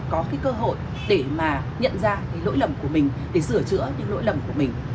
có cơ hội để mà nhận ra lỗi lầm của mình để sửa chữa những lỗi lầm của mình